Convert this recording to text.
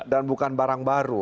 dan bukan barang baru